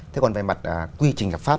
thế còn về mặt quy trình lập pháp